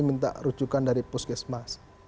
minta rujukan dari puskesmas